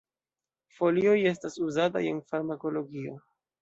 Folioj estas uzataj en farmakologio.